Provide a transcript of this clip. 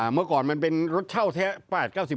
เมื่อก่อนมันเป็นรถเช่าแท้ประหลาด๙๐